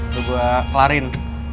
udah gue kelarin